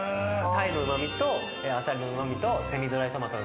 タイのうま味とアサリのうま味とセミドライトマトのうま味。